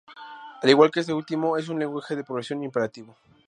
Al igual que este último, es un lenguaje de programación imperativo.